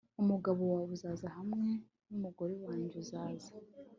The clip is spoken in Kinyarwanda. Umugabo wawe uzaza hamwe numugore wanjye uzaza